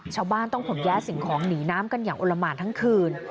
ชาวบ้านต้องขนย้ายสิ่งของหนีน้ำกันอย่างอลละหมานทั้งคืน